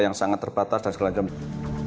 yang sangat terbatas dan sebagainya